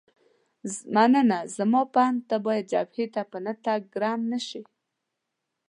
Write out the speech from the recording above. مننه، زما په اند ته باید جبهې ته په نه تګ ګرم نه شې.